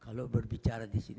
kalau berbicara disini